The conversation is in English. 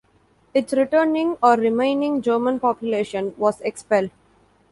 Its returning or remaining German population was expelled.